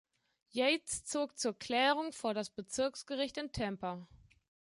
Yates zog zur Klärung vor das Bezirksgericht in Tampa.